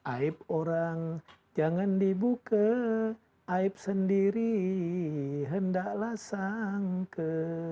aib orang jangan dibuka aib sendiri hendaklah sangka